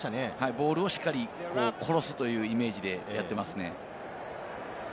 ボールを殺すというイメージでやっていますね。